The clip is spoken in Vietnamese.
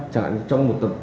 chạy trong một tầng